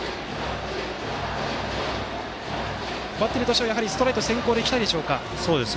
バッテリーとしてはやはりストライク先行で行きたいでしょうか。